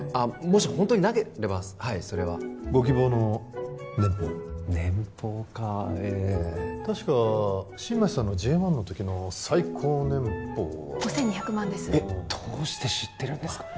もしホントになければはいそれはご希望の年俸年俸か確か新町さんのＪ１の時の最高年俸は５２００万ですえどうして知ってるんですか？